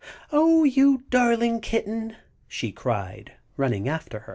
"Oh, you darling kitten!" she cried, running after her.